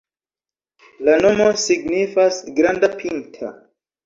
La nomo signifas granda-pinta.